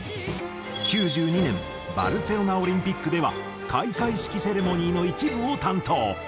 ９２年バルセロナオリンピックでは開会式セレモニーの一部を担当。